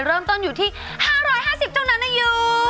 เริ่มต้นอยู่ที่๕๕๐ตรงนั้นเนี่ยอยู่